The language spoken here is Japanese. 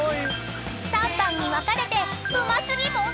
［３班に分かれてうま過ぎもん